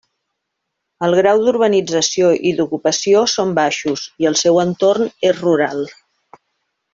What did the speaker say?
El grau d'urbanització i d'ocupació són baixos i el seu entorn és rural.